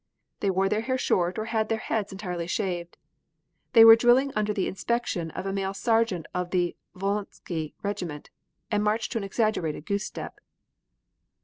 They wore their hair short or had their heads entirely shaved. They were drilling under the instruction of a male sergeant of the Volynsky regiment, and marched to an exaggerated goose step.